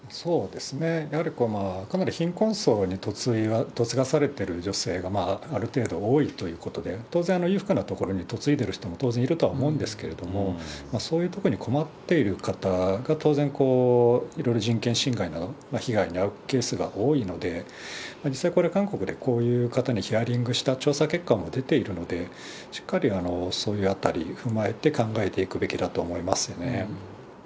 やはりかなり貧困層に嫁がされてる女性がある程度多いということで、当然、裕福なところに嫁いでる人も当然いると思うんですけど、そういう特に困っている方が当然、いろいろ人権侵害など被害に遭うケースが多いので、実際、これ、韓国の方にヒアリングした調査結果が出ているので、しっかりそういうあたり踏まえて考えていくべきだと思いますよね。